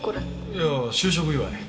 いやあ就職祝い。